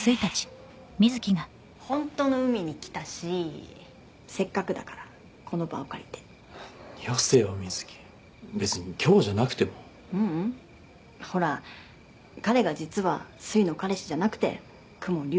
ホントの海に来たしせっかくだからこの場を借りてよせよ瑞貴別に今日じゃなくてもううんほら彼が実はすいの彼氏じゃなくて公文竜